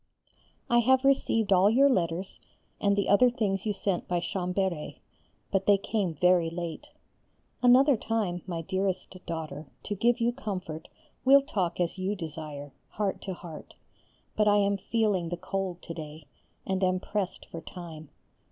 I have received all your letters and the other things you sent by Chambéry, but they came very late. Another time, my dearest daughter, to give you comfort we'll talk as you desire, heart to heart, but I am feeling the cold to day, and am pressed for time.